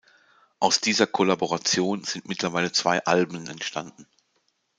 Aus dieser Kollaboration sind mittlerweile zwei Alben entstanden.